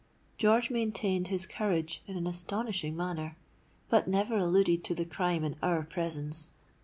George maintained his courage in an astonishing manner; but never alluded to the crime in our presence.